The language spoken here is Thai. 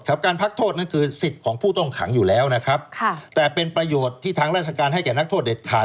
การพักโทษนั่นคือสิทธิ์ของผู้ต้องขังอยู่แล้วนะครับค่ะแต่เป็นประโยชน์ที่ทางราชการให้แก่นักโทษเด็ดขาด